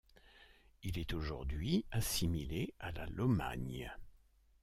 Il est aujourd'hui assimilé à la Lomagne.